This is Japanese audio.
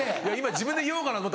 自分で言おうかなと。